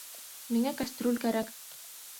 Миңә кәстрүл кәрәк